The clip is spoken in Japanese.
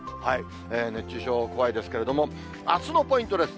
熱中症、怖いですけれども、あすのポイントです。